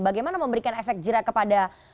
bagaimana memberikan efek jerak kepada